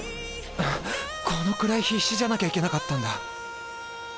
あっこのくらい必死じゃなきゃいけなかったんだ。